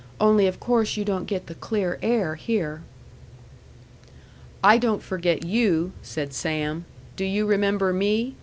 Only of course you don't get the clear air here." "I don't forget you," said Sam. "Do you remember me?